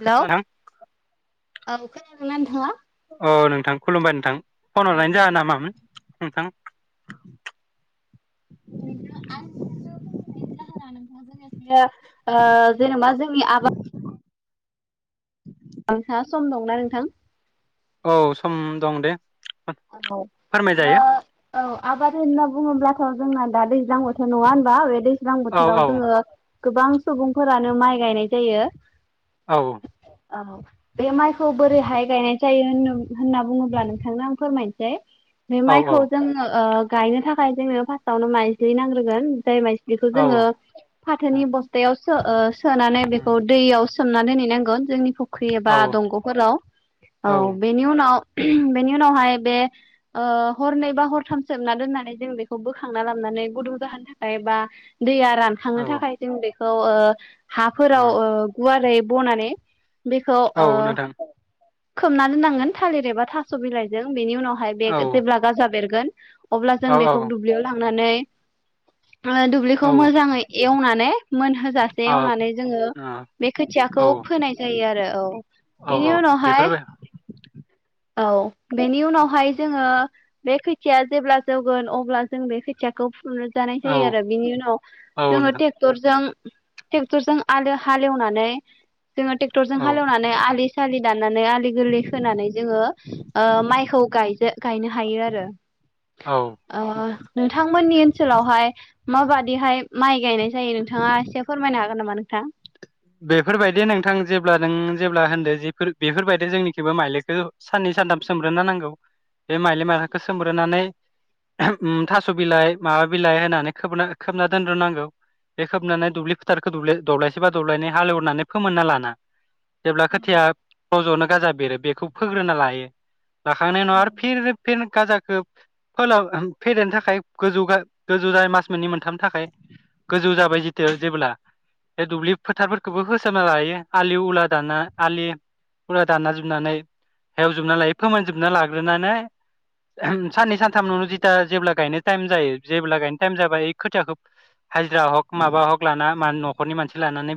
Hello औ खोनादोना नोंथाङा? औ नोंथां खुलुमबाय नोंथां । फन हरनायनि जाहोना मामोन नोंथां? [unintelligible] नोंथाङा सम दंना नोंथां? औ सम दं दे। औ आ फोरमायजायो औ आबाद होनना बुङोब्लाथ' जोंना दा दैजां बो थोश्र नङा होनबा बे दैज्लां औ औ बोथोराव जोङो गोबां सुबुंफोरानो माइ गायनाय जायो औ औ बे माइखौ बोरैहाय गायनाय जायो होन होनना बुङोब्ला नोंथांना फोरमायनोसै बे औ माइखौ जों गायनो थाखाय जोंङनो फार्स्टआवनो माइजलि नांग्रोगोन जाय माइ बेखौ औ जोङो फाथोनि बस्थायाव सो सोम सोनानै बेखौ दैयाव सो मनानै दोनैनांगोन जोंनि फुख्रि एबा औ दंग'फोराव औ बेनि उनाव बेनि उनावहाय बे ओ हरनै बा हरथाम सोबना दोननानै जों बेखौ बोखांना लाबनानै गुदुं जाहोन थाखाय बा दैया औ रानखांनो थाखाय जों बे औ ओ हाफोराव गुवारै बनानै बेखौ औ ओ नोंथां खोबना दोननांगोन थालिर एबा थास' बिलाइजों। बेनि उनाव फाय बे औ जेब्ला गाजा बेरगो गोन अब्ला औ जों औ बेखौ दुब्लियाव लां नानै ओ औ दुब्लिखौ औ मोजाङै एवनानै मोनहोजासे एवनानै जोङो औ बे खोथियाखौ फोनाय जायो आरो औ औ बेनि उनावहाय बेफोरबो औ। बेनि उनावहाय जोङो बे खोथिया जेब्ला जौगोन अब्ला जों बे खोथियाखौ फु फु जानाय औ जायो आरो बिनि उनाव औ जोङो नोंथां ट्रेक्टरजों ट्रेक्टरजों आलो हालेवनानै जोङो ट्रेक्टरजों औ हालेवनानै आलि सालि दाननानै आलि गोरलै होनानै जोङो ओ माइखौ गायजे गायनो हायो आरो औ ओ नोंथांमोननि ओनसोलावहाय माबादिहाय माइ गायनाय जायो नोंथाङा एसे फोरमायनो हागोन नामा नों थां। बेफोरबायदि नोंथां जेब्ला नों जेब्ला होनदो जेफोर बेफोरबायदि जोंनिखिबो माइलिखौ साननै सानथाम सोमब्रोनो नांगौ बे माइल माइखौ सोमब्रोनानै थास' बिलाइ माबा बिलाइ होनानै खोबना खोबना दोनग्रोनांगौ बे खोबनानै दुब्लि फोथारखौ दब्लायसे बा दब्लायनै हालेवनानै फोमोनना लाना। जेब्ला खोथिया रज'नो गाजा बेरो बेखौ फोग्रोना लायो। लाखांनाय नङा आरो फिन फिन गाजाखो फोलाव ओम फेदेरनो थाखाय गोजौ गा गोजौ जायो मास मोननै मोनथामनि थाखाय गोजौ जाबाय जेथिया जेबोला बे दुब्लि फोथारफोरखौबो होसाबना लायो आलि उला दाना आलि उला दानना जोबनानै हेवजोबना लायो फोमोनजोबना लाग्रोनानै साननै सानथामनावनो जिथा जेब्ला गायनो टाइम जायो जेब्ला गायनो टाइम जाबाय इ खोथियाखौ हाजिरा हग माबा हक लाना म न'खरनि मानसि लानानै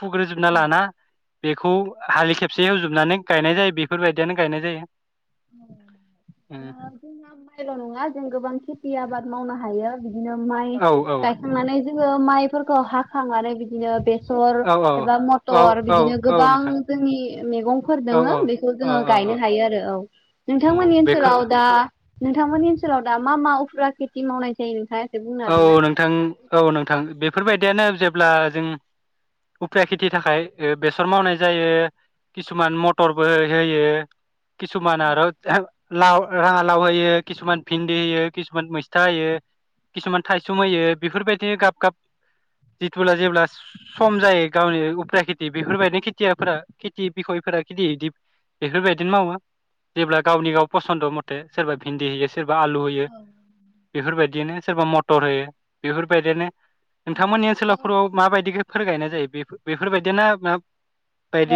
फुग्रोजोबना लाना बेखौ हालि खेबसे होजोबनानै गायनाय जायो बेफोरबायदियानो गायनाय जायो। उम ओ‌ जोंना माइल' नङा जों गोबां खेथि आबाद मावनो हायो। बिदिनो माइ औ गायखांनानै जोङो माइ फोरखौ हाखांनानै बिदिनो बे सर औ एबा औ मटर औ बिदिनो औ गोबां नोंथां जोंनि मेगंफोर औ दोङो औ बेखौ औ जोङो औ औ गायनो हायो आरो औ। औ नोंथांमोननि बेखौ ओनसोलाव दा नोंथांमोननि ओनसोलाव दा मा मा उफुरा खेथि मावनाय जायो नोंथां? औ नोंथां औ नोंथां बेफोरबायद दियानो जेब्ला जों उफेरा खेथि थाखाय बेसर मावनाय जायो किसुमान मटरबो होयो। किसुमान आरो लाव राङा लाव होयो किसुमान भिन्दि होयो किसुमान मैस्था होयो। किसुमान थायसुम होयो बेफोरबायदिनो गाब गाब जिथुब्ला जेब्ला सम जायो गावनि उफ्रा खेथि बेफोरबायदिनो खेथियाफोरा खेथि बिखयफोरा खिथि इदि बेफोरबायदिनो मावो जेब्ला गावनि गाव फसन्द मथे सोरबा भिन्दि हैयो सोरबा आलु होयो बेफोरबायदिनो। सोरबा मटर होयो बेफोरबायदियनो। नोंथांमोननि ओनसोलावफोराव माबायदि फोर गायनाय जायो बे बेफोरबायदिनो मा?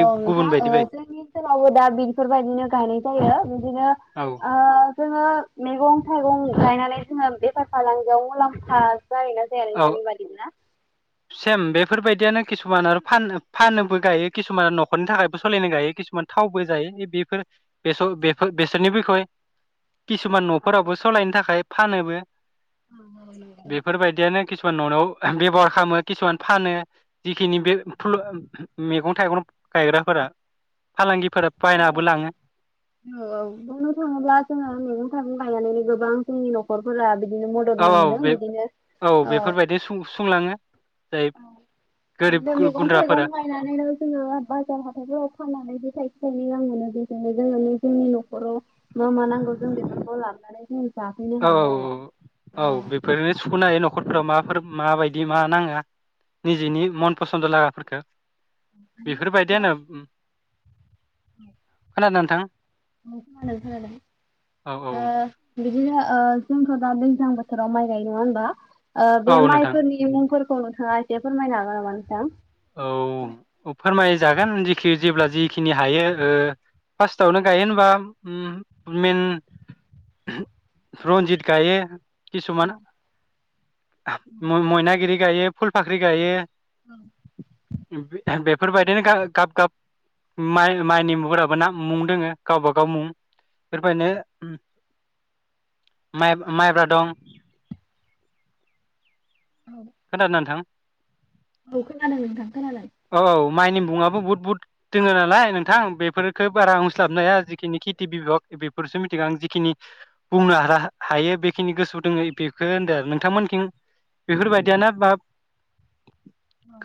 औ नोंथां जोंनि ओनसोलावबो दा बेफोरबायदिनो गायनाय जायो बिदिनो औ ओ जोङो मैगं थाइगं गायनानै जोङो बेफार फालांगियाव मुलाम्फा जायो ना जाया औ नोंसोरनि बादिब्ला। सेम बेफोरबायदियानो किसुमान आरो फानो फानोबो गायो किसुमान नखरनि थाखायबो सालायनो गायो किसुमान थावबो जायो बे बेफोरफोर बेसरनि बिखय किसुमान नफोरावबो सालायनो थाखाय फानोबो। औ औ नंगौ जानो खिसुमान नआव ओ बेबहार खालामो खिसुमान फानो जिखिनि बे फ्लु ओ म-म-मैगं-थाइगं गायग्राफोरा फालांगि औ औ बुंनो थाङोब्ला जोङो मैगं थाइगं गायनानै गोबां जोंनि नखरफोरा बिद औ औ बे औ बेफोरबायदि सुं-सुंलाङो। औ बिदिनो मैगं थाइगं गुन्द्राफोरा गायनानैनो जोङो बाजार हाथाइफोराव फाननानैबो थाइ थाइनै गाहाम मोनो बेजोंहाय जोङो निजेनि नखराव मा मा नांगौ जों बेफोरखौ लाबोनानै उम औ औ औ बेफोरनो सुखनो हायो नख खरफोराव माफोर माबायदि मा नाङो निजेनि मन फसन्द लागाफोरखौ बेफोर औ बायदियानो उम। खोनादों नोंथां? औ खोनादों खोनादों औ औ ओ बिद दिनो ओ जोंथ दा दैज्लां बोथोराव माइ गायो नङा होनबा? ओ बे औ नोंथां माइफोरनि मुंफोरख खौ नोंथाङा एसे फोरमायनो हागोन नामा नोंथां? औ औ फोरमायजागोन जेखि ज जेब्ला जिख खिनि हायो ओ फार्स्टआवनो गायो होनबा ओम मेन रनजित गायो। किसुमान मय-मयनागिरि गायो फुल फाख्रि गायो। औ। उम बे बेफोरबायदिनो गा-गाब गाब माइ-माइनि मुंफोराबो ना मुं दोङो गावबागाव मुं बेफोरबायदिनो उम माइब-माइब्रा दं। खोनादों ना नोंथां? औ खोनादों नोंथां खोनादों। औ माइनि मुङाबो बुहुथ बुहुथ दोङो नालाय नोंथां। बेफोरखो बारा बुंस्लाबनो हाया जिखिनि खेथि बिभग बेफोरसो मिथिग' आं जिखिनि बुंनो हारा-हायो बेखिनि गोसोआव दोङो बेखौनो होनदो नोंथांमोनखिं बेफोरबायद दियानो बाब अ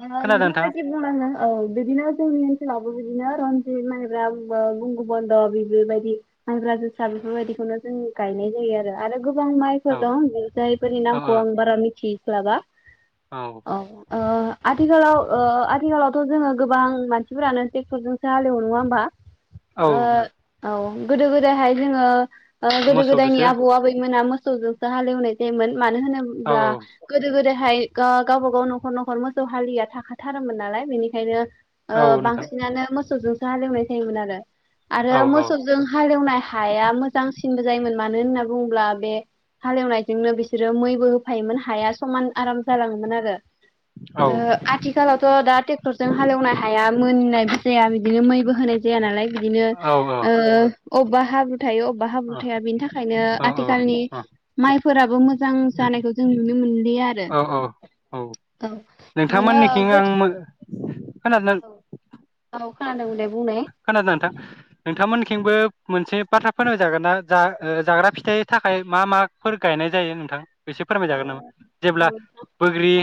ओ नोंथाङा जि बुंलांदों औ बिदिनो जोंनि ओन्सोलावबो बिदिनो रन जिद माइब्रा आ गंगबबन्द' बेबोबायदि माइब्रा जोसा बेफोरबायदिखौनो जों गायनाय जायो आरो आरो ग गोबां औ माइफोर दं जायफोरनि औ नामखौ आं बारा मिथि स्लाबा औ। औ ओ आथिखालाव ओ आथिखालावथ' जोङो गोबां मानसिफोरानो टेक्टरजोंसो हालेवो नङा होमबा? औ ओ औ गोदो गोदायहाय जोङो ओ गोदो गोदायनि मोसौदोसो आबौ आबैमोना मो सौदो हालेवनाय जायोमोन। मानो औ होनोब्ला औ गोदो गोदाय हाय गा गावबा गाव न'खर न'खर मोसौ हालिया थाखाथारोमोन नालाय बेनिखायनो ओ औ नोंथां बांसिनानो मो सौजोंसो हालेवनाय मोन आरो आरो औ औ मोसौजों हालेवनाय हाया मोजांसिनबो जायोमोन। मानो होनना बुङोब्ला बे हालेवनायजोंनो बिसोरो मैबो होफायोमोन हाया समान आराम जालाङोमोन आ रो। औ ओ आथिखालावथ' दा टेक्टरजों हालेवनाय हाया मोननायबो जाया बिदिनो मैबो होनाय जाया नालाय बिदिनो औ औ ओ औबा हाब्रु थायो अबेबा हाब्रु थाया बेनि थाखायनो औ आथिखालनि माइफोराबो मोजां जानायखौ जों नुनो मोनलिया आरो औ औ नोंथांमोननिखिं आं मो-खोनादो ना औ खोनादों दे बुंनाय खोनादों नोंथां नोंथांमोनखिंबो मोनसे बाथ्रा फोनां जागोन ना? जा ओ जाग्रा फिथाइनि थाखाय मा माफोर गायनाय जायो नोंथां? एसे फोरमायजागोन नामा? जेब्ला औ बोग्रि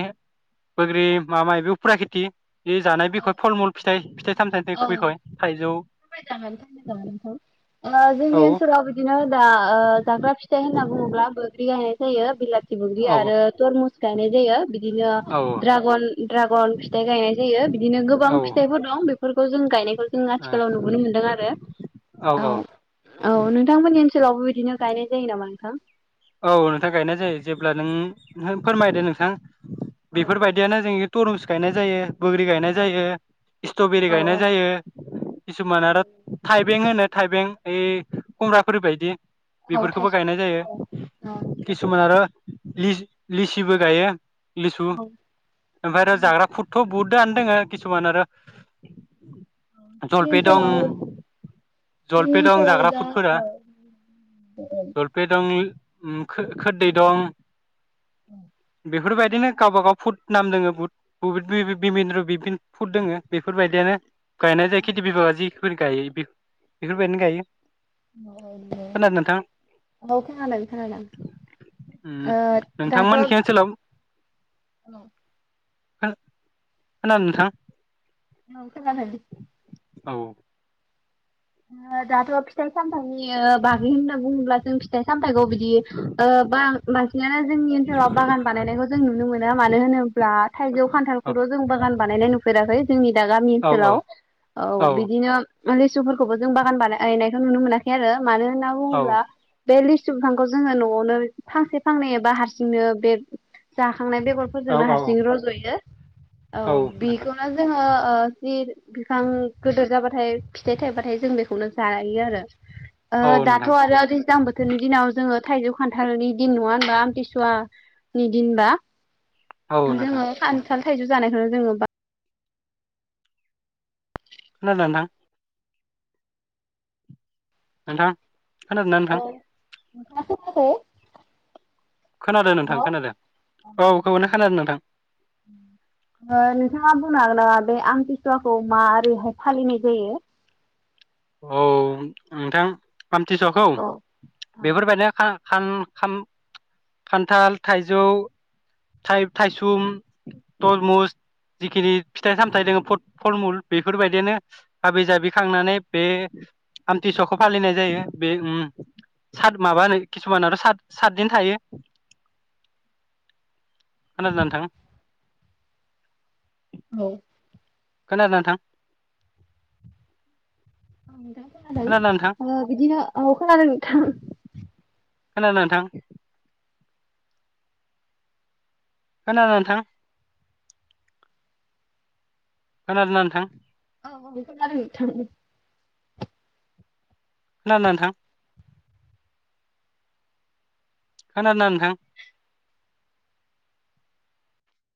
बोग्रि माबा बेबो फुरा खेथि । बे जानाय बिखय फल-मुल फिथाइ, फिथाइ सामथाइ बि-बिखय। [unintelligible] ओ औ जोंनि ओनसोलाव बिदिनो दा ओ जाग्रा फिथाइ होनना बुङोब्ला बोग्रि जायो बिला थिबोग्रि औ आरो तरमुस गायनाय जायो बिदिनो औ ड्रागन-ड्रागन फिथाइ गायनाय जायो। गोबां औ फिथाइफोर दं बेफोरखौ जों गायनायखौ जों आथिखालाव नुबोनो मोनदों आरो । औ औ नोंथांमोननि ओनसोलावबो बिदिनो गायनाय जायो नामा नोंथां? औ नोंथां गायनाय जायो जेब्ला नों नों फोरमायदो नोंथां। बेफोरबायदियानो जोंनि तरमुज गायनाय जायो। बोग्रि गायनाय जायो स्ट्रबेरि औ गायनाय जायो किसुमान आरो औ थाइबें होनो । थाइबें इ खम्ब्राफोरबायदि। औ बेफोरखौबो थायसुम गायनाय औ जायो। औ किसुमान आरो लि लिसिबो गायो । लिसु ओमफ्राय आरो जाग्रा फुदथ' बहुद रानदों किसुमान आरो जोंनि जलफे दं ओनसोलाव जोंनि जलफे दं ओनसोलाव जाग्रा दा फुटफोरा औ जलफे दं उम खो खोरदै दं। बेफोरबायदिनो गावबागाव फुट। नाम दोङो बुहुत बुहुत बिबिन्द र बि फुट दोङो बेफोरबायदियानो गायनाय जाय खिथि बिभागा जि बेफोर गायो बेफोरबायदिनो गायो। औ औ खोनादों नोंथां खोनादों । खोनादों ओ दाथ' नोंथांमोनखि आ खोनादों नोंथां? औ खोनादों औ ओ दाथ' फिथाइ सामथायनि ओ बागै होनना होनना बुङोब्ला जों फिथाइ सामथाइखौ बिदि ओ बां बांसिनानो जोंनि ओनसोलाव बागान बानायनायखौ जों नुनो मोनो मानो होनोब्ला थाइजौ खान्थालखौथ' जों बागान बानायनाय नुफेराखै जोंनि दा गामि औ ओनसोलाव औ औ बिदिनो लिसु फोर खौबो जों बागान बानायनायखौ नुनो मोनाखै आरो मानो होनना औ बुङोब्ला बे लिसु बिफांखौ जोङो न'आवनो फांसे फांनै एबा हारसिंनो बे जाखांनाय बेगरफोरजोंनो औ हारसिं रज'यो औ बेखौनो जोङो ओ जिर बिफां गिदोर जाबा थाय फिथाइ थायबाथाय जों बेखौनो जायो आरो औ दाथ' नोंथां आरो दैज्लां बोथोर गोदोनि दिनाव जोङो थाइजौ खान्थालनि दिन नङा होनबा आमथिसुवानि दिनबा औ नोंथां जोङो खान्था ल थाइजौ जानायखौनो जोङो खोनादोन ओनथां नोंथां खोनादों ना नोंथां नोंथाङा खोनायाखै खोनादों नोंथां हेल! खोनादों औ खौनो खोनादों नोंथां नोंथाङा बुंनो हागोन नामा बे आमतसुवाखौ मारैहाय फालिनाय जायो। औ नोंथां। आमथिसुवाखौ औ बेफोरबायदिनो खान खाम खान्थाल थाइजौ थाइ थाइसुम तरमुस जिखिनि फिथाइ सामथाइ दङ फद-फलमुल बेफोरबायदियानो हाबि जाबि खांनानै बे आमथिसुवखौ फालिनाय जायो बे उम सात माबा होनो किसुमानथ सात सातदिन थायो। खोनादों ना नोंथां। औ। खोनादों ना नोंथां। औ नोंथां खोनादोंना नोंथां खोनादों ओ बिदिनो औ खोनादों नोंथां। खोनादों नोंथां खोनादों नोंथां। खोनादों ना नोंथां। औ औ खोनादों नोंथां। खोनादों ना नोंथां। खोनादों ना नोंथां।